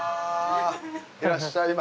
いらっしゃいませ。